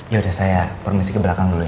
yaudah saya permisi ke belakang dulu